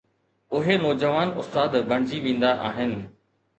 اهي نوجوان استاد بڻجي ويندا آهن.